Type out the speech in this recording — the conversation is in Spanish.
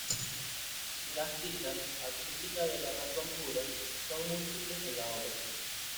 Las citas a "Crítica de la razón pura" son múltiples en la obra.